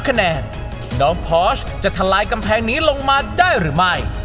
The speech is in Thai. คะแนนน้องพอสจะทลายกำแพงนี้ลงมาได้หรือไม่